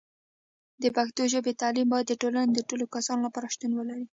د پښتو ژبې تعلیم باید د ټولنې د ټولو کسانو لپاره شتون ولري.